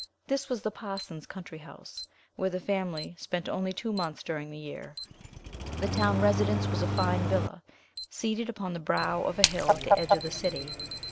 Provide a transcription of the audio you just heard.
This was the parson's country house, where the family spent only two months during the year. The town residence was a fine villa, seated upon the brow of a hill at the edge of the city.